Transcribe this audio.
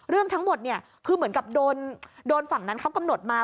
เรื่องทั้งหมดเนี่ยคือเหมือนกับโดนฝั่งนั้นเขากำหนดมา